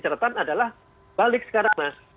catatan adalah balik sekarang mas